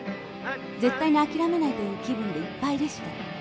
絶対に諦めないという気分でいっぱいでした。